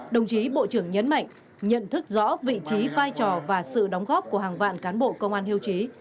đồng chí bộ trưởng nhấn mạnh nhận thức rõ vị trí vai trò và sự đóng góp của hàng vạn cán bộ công an hưu trí